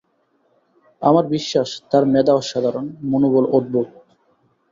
আমার বিশ্বাস তার মেধা অসাধারণ, মনোবল অদ্ভুত।